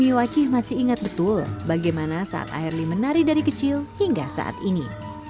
mimi wacih masih ingat betul bagaimana saat airly menari dari kecil hingga saat ini